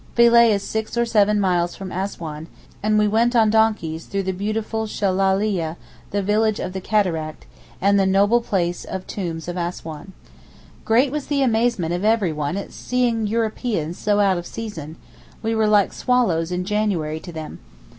Philæ is six or seven miles from Assouan, and we went on donkeys through the beautiful Shellaleeh (the village of the cataract), and the noble place of tombs of Assouan. Great was the amazement of everyone at seeing Europeans so out of season; we were like swallows in January to them.